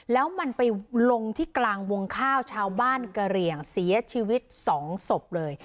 แล้วมันไปลงที่กลางวงข้าวชาวบ้านกระเหลี่ยงเสียชีวิต๒ศพเลย